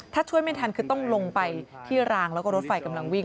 ถ้าช่วยไม่ทันคือต้องลงไปที่รางแล้วก็รถไฟกำลังวิ่ง